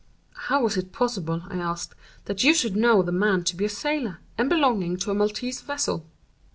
_ "How was it possible," I asked, "that you should know the man to be a sailor, and belonging to a Maltese vessel?"